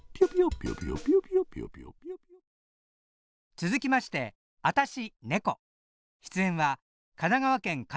続きましてあたし、